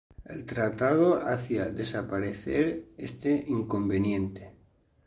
El tratado hacía desaparecer este inconveniente.